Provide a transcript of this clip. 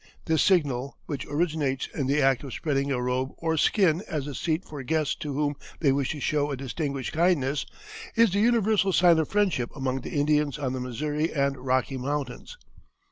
This signal, which originates in the act of spreading a robe or skin as a seat for guests to whom they wish to show a distinguished kindness, is the universal sign of friendship among the Indians on the Missouri and Rocky Mountains."